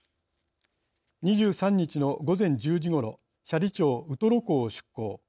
２３日の午前１０時ごろ斜里町ウトロ港を出港。